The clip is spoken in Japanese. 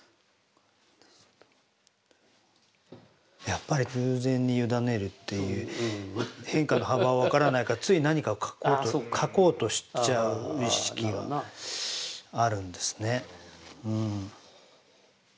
やっぱり偶然に委ねるっていう変化の幅は分からないから描こうとしちゃう意識があるんですね。